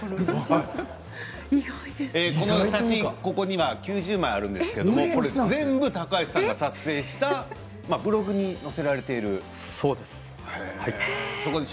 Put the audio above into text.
この写真、ここに９０枚あるんですけれども全部高橋さんが撮影したブログに載せられているもので。